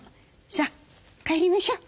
さあ帰りましょう。